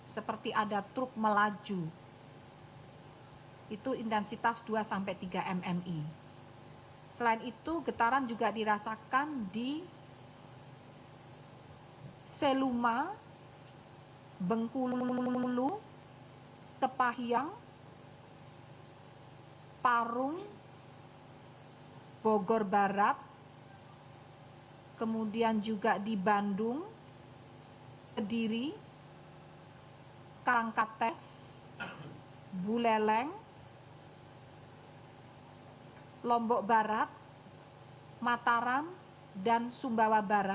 senter gempa bumi terletak pada koordinat tujuh tiga puluh dua lintang selatan saya ulangi tujuh tiga puluh dua derajat bujur timur